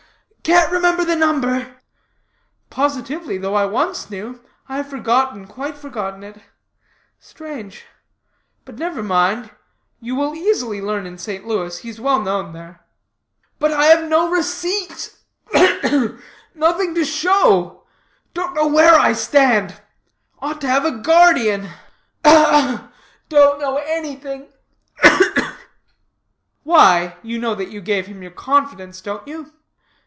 Ugh, ugh! Can't remember the number?" "Positively, though I once knew, I have forgotten, quite forgotten it. Strange. But never mind. You will easily learn in St. Louis. He is well known there." "But I have no receipt ugh, ugh! Nothing to show don't know where I stand ought to have a guard_ee_an ugh, ugh! Don't know anything. Ugh, ugh!" "Why, you know that you gave him your confidence, don't you?"